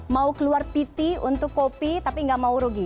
mau keluar piti untuk kopi tapi nggak mau rugi